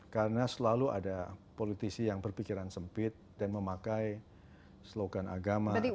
karena selalu ada politisi yang berpikiran sempit dan memakai slogan agama atau suku